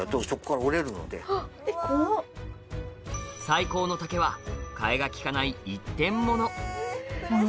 最高の竹は替えがきかない一点物